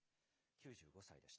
９５歳でした。